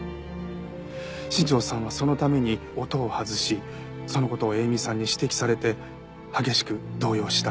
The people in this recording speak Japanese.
新庄さんはそのために音を外しその事を詠美さんに指摘されて激しく動揺した。